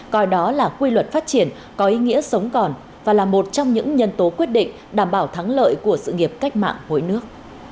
coi đó là quy luật phát triển có ý nghĩa sống còn và là một trong những nhân tố quyết định đảm bảo thắng lợi của sự nghiệp cách mạng mỗi nước